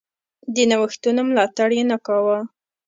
د نوښتونو ملاتړ یې نه کاوه.